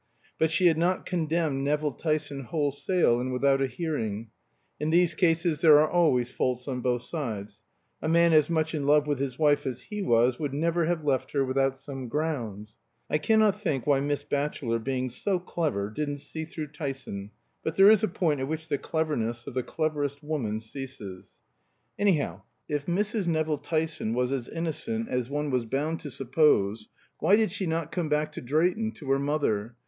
But she had not condemned Nevill Tyson wholesale and without a hearing; in these cases there are always faults on both sides. A man as much in love with his wife as he was would never have left her without some grounds. (I cannot think why Miss Batchelor, being so clever, didn't see through Tyson; but there is a point at which the cleverness of the cleverest woman ceases.) Anyhow, if Mrs. Nevill Tyson was as innocent as one was bound to suppose, why did she not come back to Drayton, to her mother?